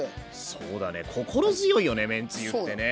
そうだね心強いよね麺つゆってね。